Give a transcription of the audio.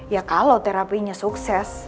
ya kalo terapinya sukses